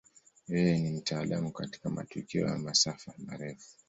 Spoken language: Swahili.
Yeye ni mtaalamu katika matukio ya masafa marefu.